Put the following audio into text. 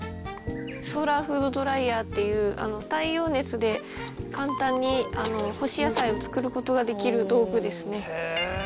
ソーラーフードドライヤーっていう、太陽熱で簡単に干し野菜を作ることができる道具ですね。